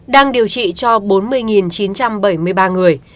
đang điều trị cho bốn mươi chín trăm bảy mươi ba người